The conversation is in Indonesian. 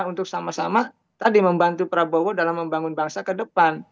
untuk sama sama tadi membantu prabowo dalam membangun bangsa ke depan